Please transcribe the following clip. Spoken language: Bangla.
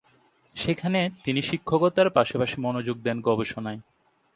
সেখানে তিনি শিক্ষকতার পাশাপাশি মনোযোগ দেন গবেষনায়।